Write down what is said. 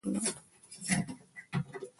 دا ټول سکاټ تنظیم کړي وو او پلان یې درلود